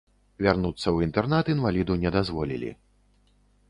Вярнуцца ў інтэрнат інваліду не дазволілі.